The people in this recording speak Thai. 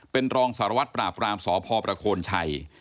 เป็นรองสารวัตรปราบรามสพชัย